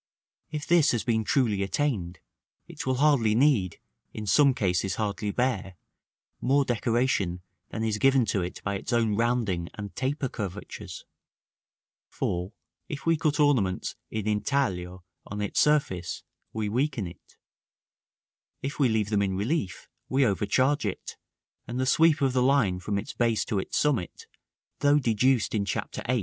If this has been truly attained, it will hardly need, in some cases hardly bear, more decoration than is given to it by its own rounding and taper curvatures; for, if we cut ornaments in intaglio on its surface, we weaken it; if we leave them in relief, we overcharge it, and the sweep of the line from its base to its summit, though deduced in Chapter VIII.